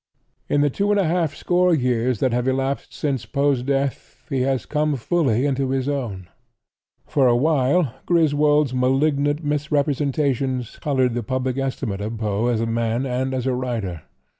In the two and a half score years that have elapsed since Poe's death he has come fully into his own. For a while Griswold's malignant misrepresentations colored the public estimate of Poe as man and as writer.